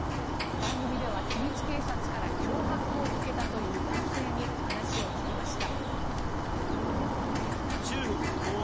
番組では秘密警察から脅迫を受けたという男性に話を聞きました。